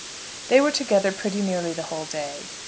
They were together pretty nearly the whole day.